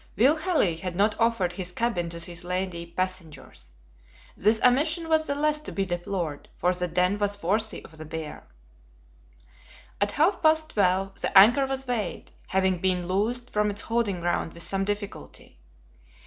Will Halley had not offered his cabin to his lady passengers. This omission was the less to be deplored, for the den was worthy of the bear. At half past twelve the anchor was weighed, having been loosed from its holding ground with some difficulty.